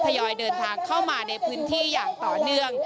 ยอยเดินทางเข้ามาในพื้นที่อย่างต่อเนื่อง